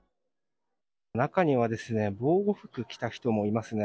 中には防護服を着た人もいます。